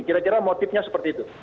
kira kira motifnya seperti itu